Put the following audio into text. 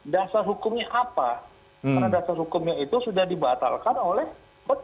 dasar hukumnya apa karena dasar hukumnya itu sudah dibatalkan oleh petugas